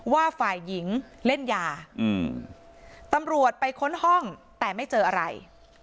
ว่าฝ่ายหญิงเล่นยาตำรวจไปค้นห้องแต่ไม่เจออะไร